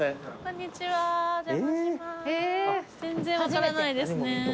全然分からないですね。